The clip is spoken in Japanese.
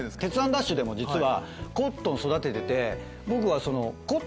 ＤＡＳＨ‼』でも実はコットン育ててて僕はその。